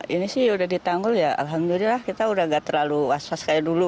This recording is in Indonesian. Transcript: ini sih sudah ditanggul ya alhamdulillah kita sudah tidak terlalu was was seperti dulu